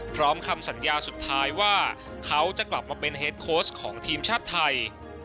คำสัญญาสุดท้ายว่าเขาจะกลับมาเป็นเฮดโค้ชของทีมชาติไทย